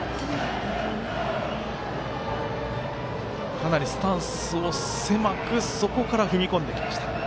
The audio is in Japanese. かなりスタンスを狭くそこから踏み込んできました。